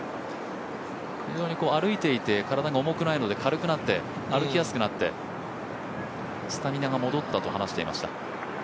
非常に歩いていて体が重くないので軽くなって歩きやすくなって、スタミナが戻ったと話していました。